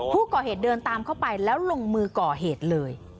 ผู้ก่อเหตุเดินตามเข้าไปแล้วลงมือก่อเหตุเลย